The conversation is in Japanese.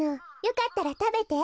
よかったらたべて。